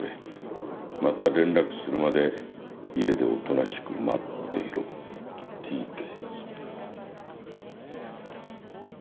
「又連絡するまで家で大人しく待っていろＴ・Ｋ」